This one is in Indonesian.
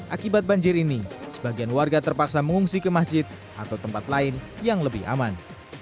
akibat banjir ini sebagian warga terpaksa mengungsi ke masjid atau tempat lain yang lebih aman